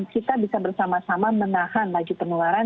kita bisa bersama sama menahan laju penularan